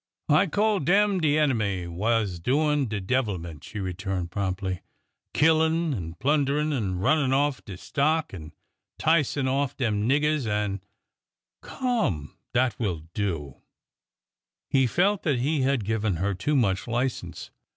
" I call dem de enemy wha' 's doin' de devilment," she returned promptly,—" killin' an' plunderin', and runnin' off de stock, an' 'ticin' off de niggers, an' —"" Come 1 that will do 1 " He felt that he had given her too much license.